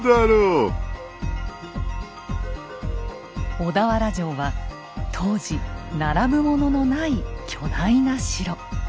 小田原城は当時並ぶもののない巨大な城。